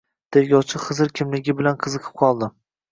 Tergovchi Xizr kimligi bilan qiziqib qoldi